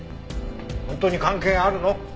本当に関係あるの？